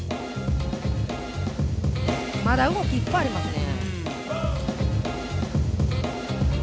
まだ動きいっぱいありますね。